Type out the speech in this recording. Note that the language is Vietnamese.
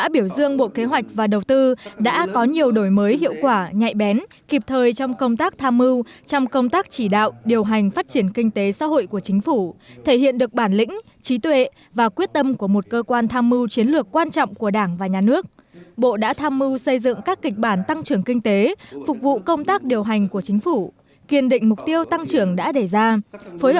bộ kế hoạch và đầu tư đã báo cáo nhiệm vụ này với thủ tướng nguyễn xuân phúc vào sáng nay